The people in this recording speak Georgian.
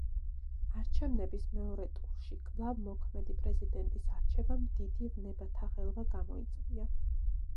არჩევნების მეორე ტურში კვლავ მოქმედი პრეზიდენტის არჩევამ დიდი ვნებათაღელვა გამოიწვია.